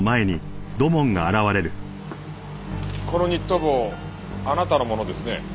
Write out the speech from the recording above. このニット帽あなたのものですね。